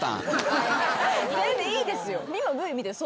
全然いいですよ。